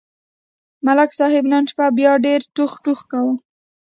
ملک صاحب نن شپه بیا ډېر ټوخ ټوخ کاوه.